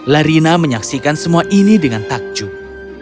larina menyaksikan semua ini dengan takjub